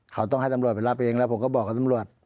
เขาต้องให้ตำรวจไปรับเองแล้วผมก็บอกกับตำรวจ